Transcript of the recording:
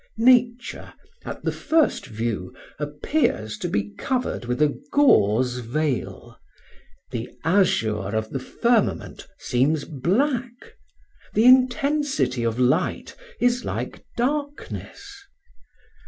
Nature, at the first view, appears to be covered with a gauze veil, the azure of the firmament seems black, the intensity of light is like darkness.